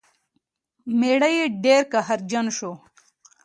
میړه یې ډیر قهرجن شو.